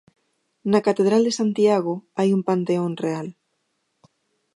Na catedral de Santiago hai un Panteón Real.